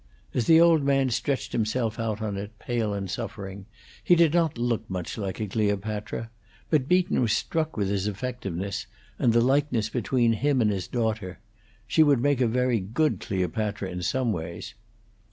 As the old man stretched himself out on it, pale and suffering, he did not look much like a Cleopatra, but Beaton was struck with his effectiveness, and the likeness between him and his daughter; she would make a very good Cleopatra in some ways.